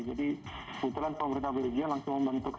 jadi kebetulan pemerintah belajar langsung membentuk suatu pusat informasi